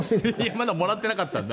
まだもらってなかったんだ？